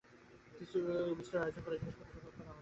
বিস্তর আয়োজন করে জিনিসপত্র জোগাড় করা হল।